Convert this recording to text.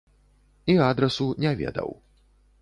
І адрасу не ведаў.